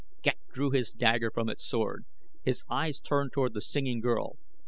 Ghek drew his dagger from its sheath. His eyes turned toward the singing girl.